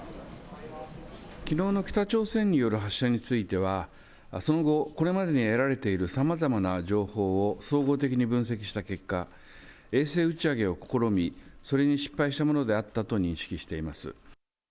きのうの北朝鮮による発射については、その後、これまでに得られているさまざまな情報を総合的に分析した結果、衛星打ち上げを試み、それに失敗したものであったと認識しています。